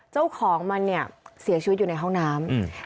เจ้าของมันเนี่ยเสียชีวิตอยู่ในห้องน้ำ